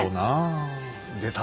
出た！